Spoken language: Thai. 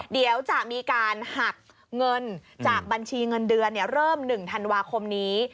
เดี๋ยวจะมีการหักเงินจากบัญชีเงินเดือนเริ่ม๑ธันวาคมนี้